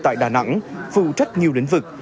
tại đà nẵng phụ trách nhiều lĩnh vực